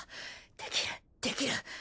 できるできる。